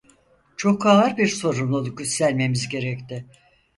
Çok ağır bir sorumluluk üstlenmemiz gerekti.